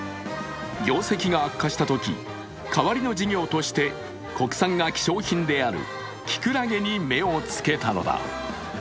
業績が悪化したとき、代わりの事業として国産が希少品であるきくらげに目をつけたのだ。